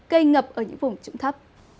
cây ngập ở những vùng trụng thấp